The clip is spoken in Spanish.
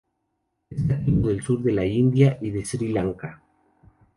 Es nativo del sur de la India y Sri Lanka.